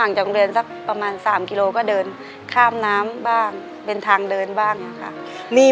ในแคมเปญพิเศษเกมต่อชีวิตโรงเรียนของหนู